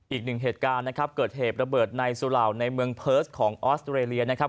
อีกหนึ่งเหตุการณ์นะครับเกิดเหตุระเบิดในสุเหล่าในเมืองเพิร์สของออสเตรเลียนะครับ